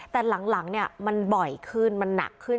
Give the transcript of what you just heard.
แต่หลังเนี่ยมันบ่อยขึ้นมันหนักขึ้น